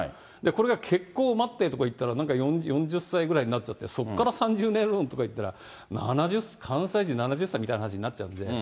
これが結婚を待ってとかいったら、なんか４０歳ぐらいになっちゃって、そこから３０年ローンとかいったら、７０、完済時７０歳になっちゃいますよね。